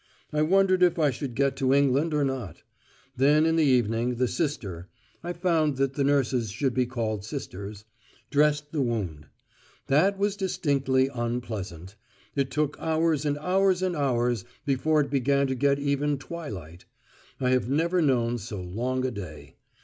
I wondered if I should get to England or not. Then in the evening the sister (I found that the nurses should be called sisters) dressed the wound. That was distinctly unpleasant. It took hours and hours and hours before it began to get even twilight. I have never known so long a day.